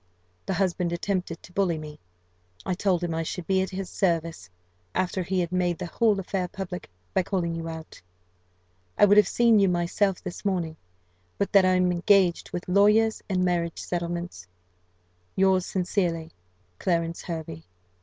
The husband attempted to bully me; I told him I should be at his service, after he had made the whole affair public, by calling you out. "I would have seen you myself this morning, but that I am engaged with lawyers and marriage settlements. "Yours sincerely, "CLARENCE HERVEY."